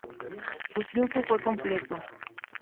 Su triunfo fue completo.